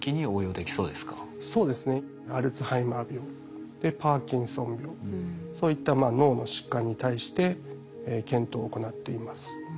アルツハイマー病パーキンソン病そういった脳の疾患に対して検討を行っています。